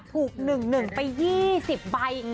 ถูก๑๑ไป๒๐ใบ